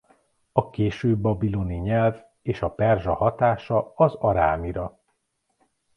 A késő-babiloni nyelv és a perzsa hatása az arámira.